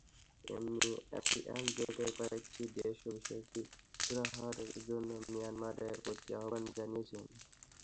এমনকি আসিয়ান জোটের কয়েকটি দেশও বিষয়টি সুরাহার জন্য মিয়ানমারের প্রতি আহ্বান জানিয়েছে।